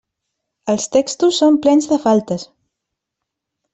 Els textos són plens de faltes.